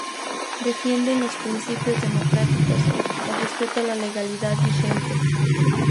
Defienden los principios democráticos, el respeto a la legalidad vigente.